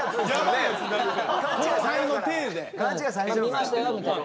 「見ましたよ」みたいな。